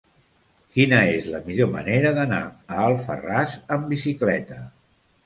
Quina és la millor manera d'anar a Alfarràs amb bicicleta?